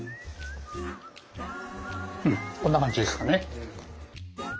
うんこんな感じですかね。